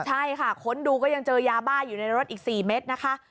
ใช่ค่ะค้นดูก็ยังเจอยาบ้าอยู่ในรถอีก๔เม็ดนะคะ